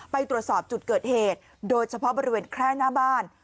ไปตรวจสอบจุดเกิดเหตุโดยเฉพาะบริเวณแคร่หน้าบ้าน